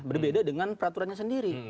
berbeda dengan peraturannya sendiri